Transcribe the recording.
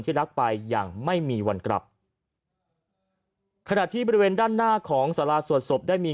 รักไปอย่างไม่มีวันกลับขณะที่บริเวณด้านหน้าของสาราสวดศพได้มี